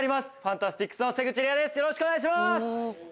よろしくお願いします！